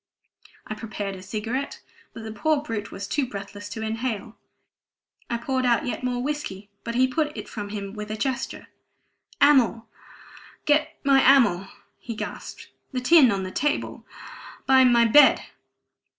I prepared a cigarette, but the poor brute was too breathless to inhale. I poured out yet more whiskey, but he put it from him with a gesture. "Amyl get me amyl!" he gasped. "The tin on the table by my bed."